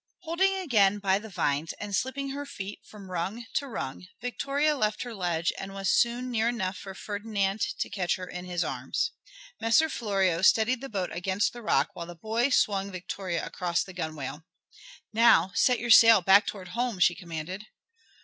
Holding again by the vines and slipping her feet from rung to rung Vittoria left her ledge and was soon near enough for Ferdinand to catch her in his arms. Messer Florio steadied the boat against the rock while the boy swung Vittoria across the gunwale. "Now set your sail back towards home," she commanded.